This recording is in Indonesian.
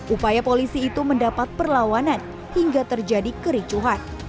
upaya polisi itu mendapat perlawanan hingga terjadi kericuhan